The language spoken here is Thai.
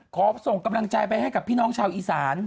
ขอส่งกำลังใจไปให้กับพี่น้องชาวอีสาน